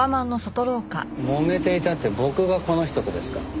もめていたって僕がこの人とですか？